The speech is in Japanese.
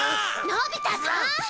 のび太さん！